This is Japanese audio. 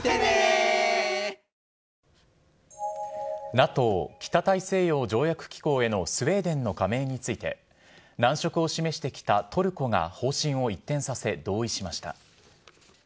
ＮＡＴＯ・北大西洋条約機構へのスウェーデンの加盟について、難色を示してきたトルコが方針を一転させ同意しました。